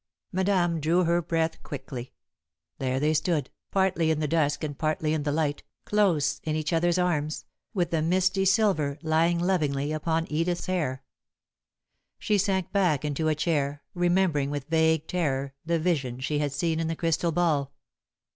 Madame drew her breath quickly. There they stood, partly in the dusk and partly in the light, close in each other's arms, with the misty silver lying lovingly upon Edith's hair. [Sidenote: Pledges of Love] She sank back into a chair, remembering, with vague terror, the vision she had seen in the crystal ball.